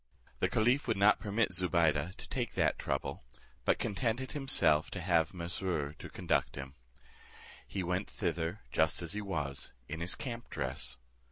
The caliph would not permit Zobeide to take that trouble, but contented himself to have Mesrour to conduct him. He went thither just as he was, in his camp dress.